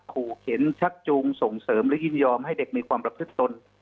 ขู่เข็นชักจูงส่งเสริมหรือยินยอมให้เด็กมีความประพฤติตน